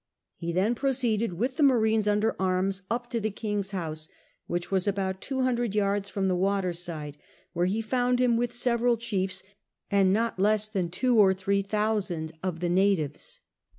He then proceeded with the marines under anus up to the king s house, which was about two hundred yards from the wjiter side ; where ho found him with several chiefs and not less than two or three thousand of the natives.